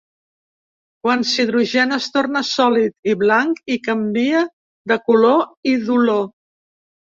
Quan s'hidrogena, es torna sòlid i blanc, i canvia de color i d'olor.